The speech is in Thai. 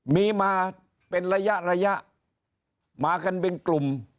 มีมาเป็นระยะระยะมากันเป็นกลุ่ม